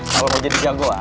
kamu udah jadi jago ah